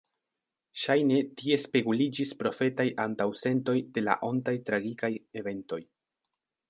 Ŝajne, tie speguliĝis profetaj antaŭsentoj de la ontaj tragikaj eventoj.